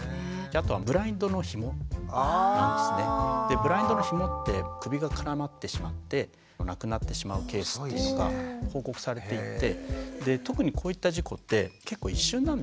ブラインドのひもって首が絡まってしまって亡くなってしまうケースっていうのが報告されていて特にこういった事故って結構一瞬なんですよね。